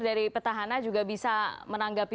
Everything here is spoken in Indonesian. dari petahana juga bisa menanggapi